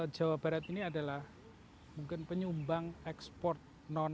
jawa barat ini adalah mungkin penyumbang ekspor non